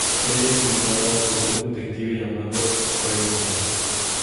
Ella es ayudada por un detective llamado "Corentin".